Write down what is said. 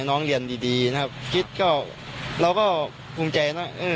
น้องเรียนดีนะครับคิดก็เราก็ภูมิใจนะเออ